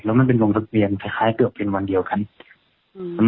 แล้วมันเป็นโรงทักเรียนคล้ายเกือบเป็นวันเดียวครับ